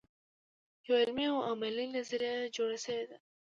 یوه علمي او عملي نظریه جوړه شوې ده.